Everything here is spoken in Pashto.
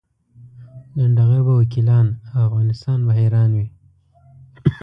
لنډه غر به وکیلان او افغانستان به حیران وي.